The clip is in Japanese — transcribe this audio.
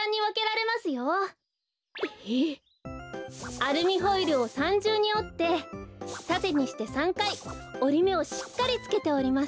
アルミホイルを３じゅうにおってたてにして３かいおりめをしっかりつけております。